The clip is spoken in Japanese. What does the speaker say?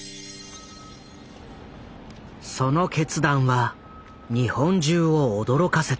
その決断は日本中を驚かせた。